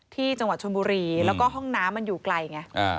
ที่จังหวัดชนบุรีแล้วก็ห้องน้ำมันอยู่ไกลไง